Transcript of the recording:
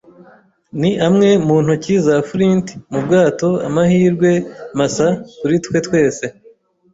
ni amwe mu ntoki za Flint mu bwato; amahirwe masa kuri twe twese. ”